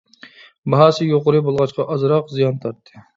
«باھاسى يۇقىرى» بولغاچقا، ئازراق زىيان تارتتى.